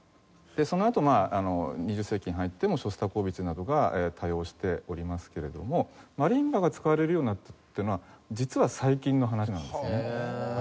でそのあと２０世紀に入ってもショスタコーヴィチなどが多用しておりますけれどもマリンバが使われるようになったっていうのは実は最近の話なんですね。